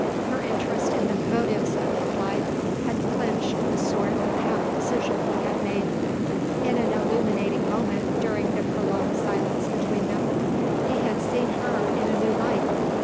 Her interest in the motives of his life had clinched the sort of half decision he had made. In an illuminating moment during the prolonged silence between them he had seen her in a new light.